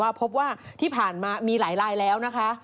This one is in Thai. พบว่าที่ผ่านมามีหลายลายแล้วนะคะ